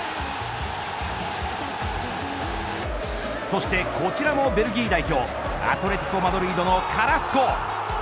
そしてこちらもベルギー代表アトレティコ・マドリードのカラスコ。